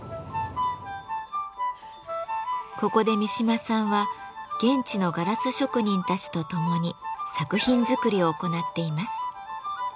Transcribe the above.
ここで三嶋さんは現地のガラス職人たちとともに作品づくりを行っています。